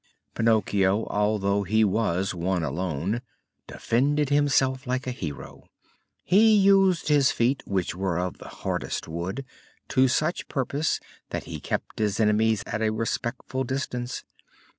Pinocchio, although he was one alone, defended himself like a hero. He used his feet, which were of the hardest wood, to such purpose that he kept his enemies at a respectful distance.